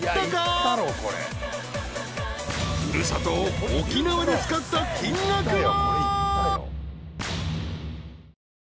［古里沖縄で使った金額は］